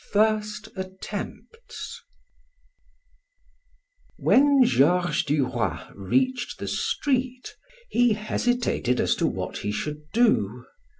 FIRST ATTEMPTS When Georges Duroy reached the street, he hesitated as to what he should do.